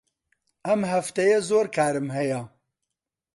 ئەم هەفتەیە زۆر کارم هەیە.